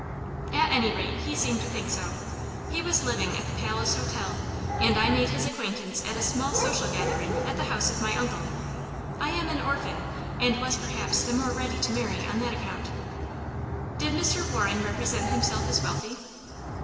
"At any rate, he seemed to think so. He was living at the Palace Hotel, and I made his acquaintance at a small social gathering at the house of my uncle. I am an orphan, and was perhaps the more ready to marry on that account." "Did Mr. Waring represent himself as wealthy?"